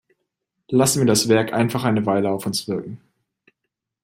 Lassen wir das Werk einfach eine Weile auf uns wirken!